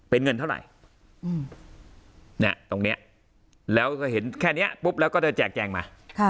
เป็นเงินเท่าไหร่ตรงนี้แล้วก็เห็นแค่นี้ปุ๊บแล้วก็ได้แจกแจงมา